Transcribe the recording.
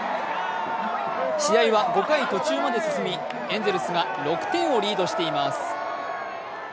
試合は５回途中まで進み、エンゼルスが６点をリードしています。